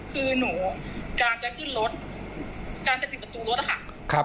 คือหนูการจะขึ้นรถการจะปิดประตูรถอะค่ะ